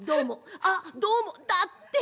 あっどうもだって。